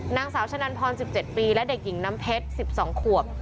นางสาวชะนันพร๑๗ปีและเด็กหญิงน้ำเพชร๑๒ขวบ